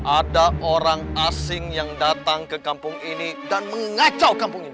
ada orang asing yang datang ke kampung ini dan mengacau kampung ini